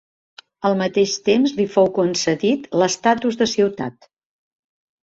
Al mateix temps, li fou concedit l'estatus de ciutat.